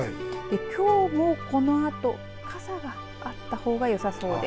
きょうも、このあと傘があったほうがよさそうです。